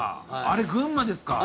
あれ群馬ですか？